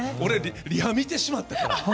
リハ見てしまったから。